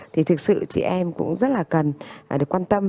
thì thực sự chị em cũng rất là cần để quan tâm